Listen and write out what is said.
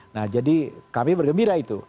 nah jadi kami bergembira itu